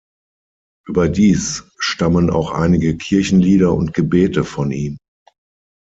Überdies stammen auch einige Kirchenlieder und Gebete von ihm.